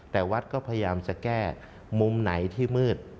แต่วัดก็พยายามจะแก้มุมไหนที่มืด